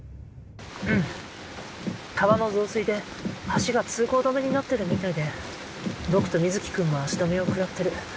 うん川の増水で橋が通行止めになってるみたいで僕と弥月君も足止めをくらってる。